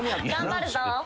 頑張るぞ。